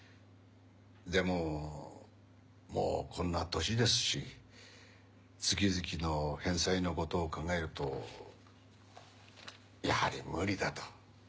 でももうこんな年ですし月々の返済のことを考えるとやはり無理だと。